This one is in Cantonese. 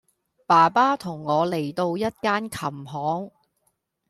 爸爸同我嚟到一間琴行